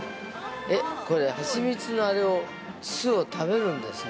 ◆えっこれ、はちみつのあれを巣を食べるんですか？